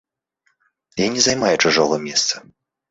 Я не займаю чужога месца.